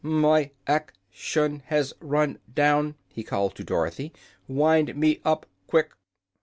"My ac tion has run down," he called to Dorothy. "Wind me up, quick."